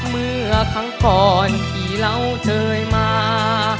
เมื่อครั้งก่อนที่เราเคยมา